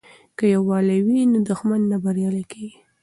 که یووالی وي نو دښمن نه بریالی کیږي.